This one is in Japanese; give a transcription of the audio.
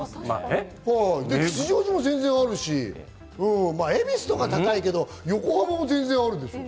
吉祥寺も全然あるし、恵比寿とかは高いけど横浜も全然あるでしょ。